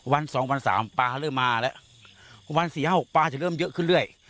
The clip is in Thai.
วันสองวันสามปลาเริ่มมาแล้ววันสี่ห้าหกปลาจะเริ่มเยอะขึ้นเรื่อย